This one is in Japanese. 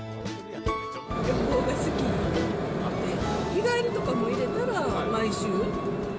日帰りとかも入れたら、毎週。